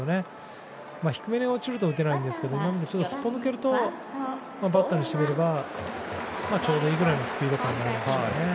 低めに落ちると打てないんですけどすっぽ抜けるとバッターにしてみればちょうどいいぐらいなんでしょうね。